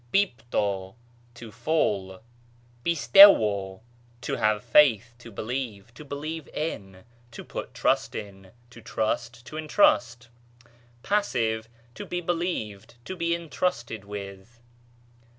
πίπτω, to fall. πιστεύω, to have faith, to believe, to believe in, to put trust in, to trust, to intrust ; pass., to be be lieved, to be intrusted with.